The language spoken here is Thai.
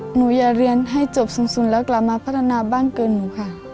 หนูอยากเรียนให้จบสูงสุดแล้วกลับมาพัฒนาบ้านเกินหนูค่ะ